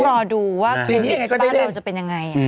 รอดูว่าคลินิกบ้านเราจะเป็นยังไง